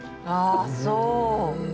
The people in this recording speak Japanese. ああそう。